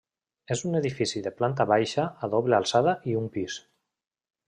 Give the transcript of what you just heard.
És un edifici de planta baixa a doble alçada i un pis.